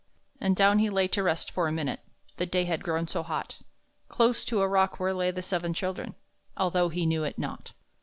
And down he lay to rest him for a minute The day had grown so hot Close to a rock where lay the seven children, Although he knew it not.